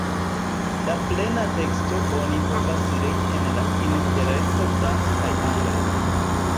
La plena teksto oni povas legi en la Interreto france kaj angle.